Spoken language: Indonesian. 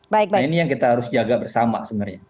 nah ini yang kita harus jaga bersama sebenarnya